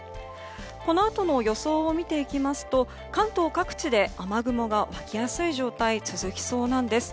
このあとの予想を見ていきますと関東各地で雨雲が湧きやすい状態が続きそうなんです。